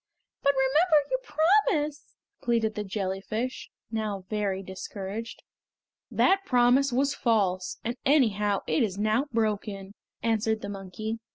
"But remember your promise!" pleaded the jellyfish, now very discouraged. "That promise was false, and anyhow it is now broken!" answered the monkey.